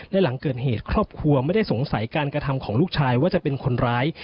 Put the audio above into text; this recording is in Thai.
และหลังเกิดเหตุครอบครัวไม่ได้สงสัยการกระทำของลูกชายว่าจะเป็นคนร้าย